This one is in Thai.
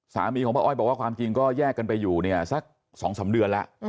สามีของป้าอ้อยบอกว่าความจริงก็แยกกันไปอยู่เนี่ยสัก๒๓เดือนแล้ว